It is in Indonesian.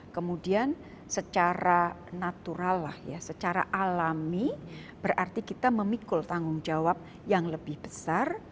kemudian secara natural lah ya secara alami berarti kita memikul tanggung jawab yang lebih besar